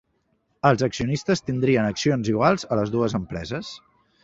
Els accionistes tindrien accions iguals a les dues empreses.